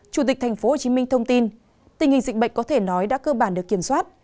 chủ tịch tp hcm thông tin tình hình dịch bệnh có thể nói đã cơ bản được kiểm soát